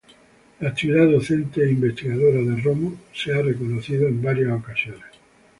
La actividad docente e investigadora de Romo ha sido reconocida en varias ocasiones.